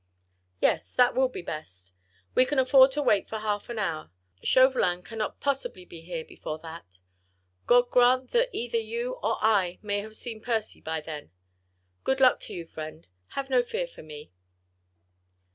"Yes, that will be best. We can afford to wait for half an hour. Chauvelin cannot possibly be here before that. God grant that either you or I may have seen Percy by then. Good luck to you, friend! Have no fear for me."